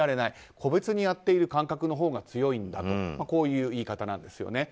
個別にやっている感覚のほうが強いんだとこういう言い方なんですよね。